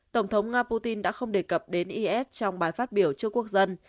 tổng thống nga putin đã không đề cập đến is trong bài phát biểu trước quốc dân